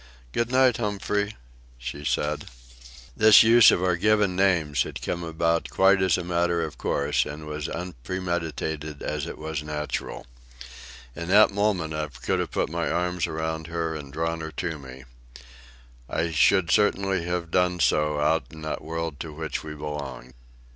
"Good night, Humphrey," she said. This use of our given names had come about quite as a matter of course, and was as unpremeditated as it was natural. In that moment I could have put my arms around her and drawn her to me. I should certainly have done so out in that world to which we belonged.